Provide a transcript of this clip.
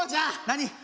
何？